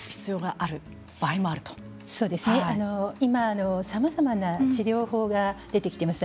今、さまざまな治療方法が出てきています。